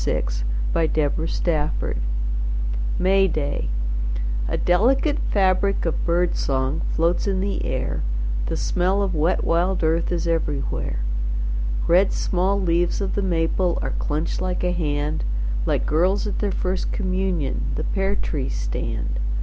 VI The Dark Cup May Day A delicate fabric of bird song Floats in the air, The smell of wet wild earth Is everywhere. Red small leaves of the maple Are clenched like a hand, Like girls at their first communion The pear trees stand.